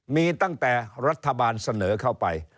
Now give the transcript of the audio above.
มีตั้งแต่รัฐบาลเสนอเข้าไป